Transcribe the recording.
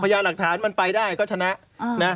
ยาหลักฐานมันไปได้ก็ชนะนะ